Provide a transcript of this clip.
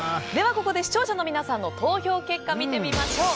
ここで視聴者の皆様の投票結果を見てみましょう。